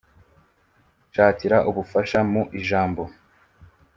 Shakira ubufasha mu Ijambo